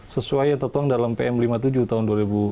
sesuai yang tertuang dalam pm lima puluh tujuh tahun dua ribu dua